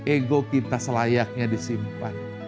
ego kita selayaknya disimpan